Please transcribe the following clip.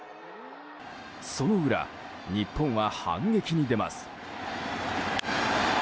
その裏、日本は反撃に出ます。